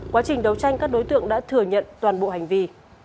quá trình đấu tranh các đối tượng đã thừa nhận toàn bộ hành vi